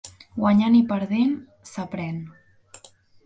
Guanyant i perdent, s'aprén.